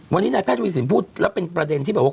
วันนี้นายแพทย์ทวีสินพูดแล้วเป็นประเด็นที่แบบว่า